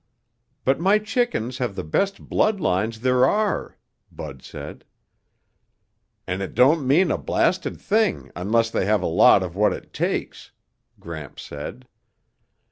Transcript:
"But my chickens have the best blood lines there are," Bud said. "And it don't mean a blasted thing unless they have a lot of what it takes," Gramps said.